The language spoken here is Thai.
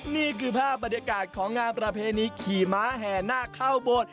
นี่คือภาพบรรยากาศของงานประเพณีขี่ม้าแห่นาคเข้าโบสถ์